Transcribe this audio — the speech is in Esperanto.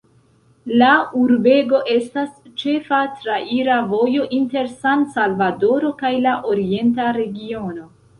La urbego estas ĉefa traira vojo inter San-Salvadoro kaj la orienta regiono.